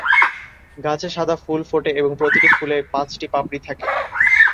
গাছে সাদা ফুল ফোটে এবং প্রতিটি ফুলে পাঁচটি পাপড়ি থাকে।